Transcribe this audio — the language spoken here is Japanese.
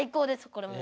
これもう。